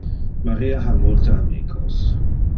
Maria ha multe amicos.